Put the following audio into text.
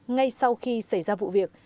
ngay sau khi xảy ra vụ việc